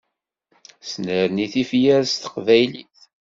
Snerni tifyar s teqbaylit.